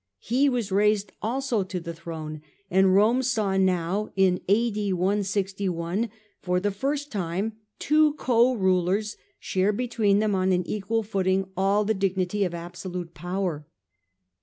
He was raised also to the throne, and Rome saw now, ^^ for the first time, two co rulers share between them on an equal footing all the dignity of absolute power.